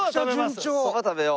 そば食べよう。